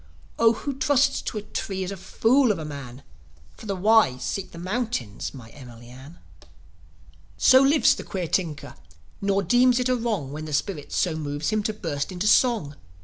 Oh, who trusts to a tree is a fool of a man! For the wise seek the mountains, my Emily Ann." So lives the queer tinker, nor deems it a wrong, When the spirit so moves him, to burst into song.